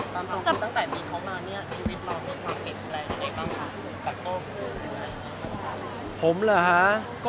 ตั้งแต่มีเขามาเนี่ยชีวิตเราเป็นความเก่งแปลงอะไรบ้างคะ